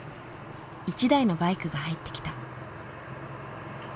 １台のバイクが入ってきた。